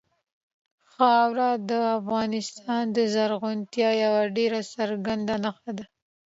خاوره د افغانستان د زرغونتیا یوه ډېره څرګنده نښه ده.